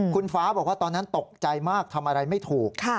คุณฟ้าบอกว่าตอนนั้นตกใจมากทำอะไรไม่ถูก